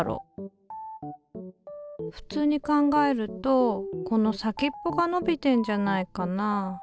ふつうに考えるとこの先っぽが伸びてんじゃないかな。